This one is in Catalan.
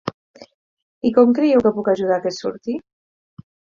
I com creieu que puc ajudar que surti?